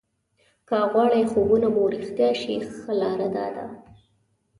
که غواړئ خوبونه مو رښتیا شي ښه لاره داده.